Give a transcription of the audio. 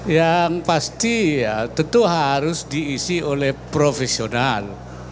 yang pasti ya tentu harus diisi oleh profesional